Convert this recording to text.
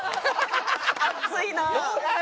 熱いなあ。